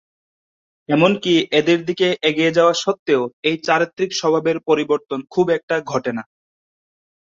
এমনকি এদের দিকে এগিয়ে যাওয়া সত্ত্বেও এই চারিত্রিক স্বভাবের পরিবর্তন খুব একটা ঘটে না।